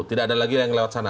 tidak ada lagi yang lewat sana